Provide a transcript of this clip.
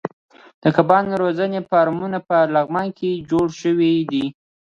د کبانو روزنې فارمونه په لغمان کې جوړ شوي دي.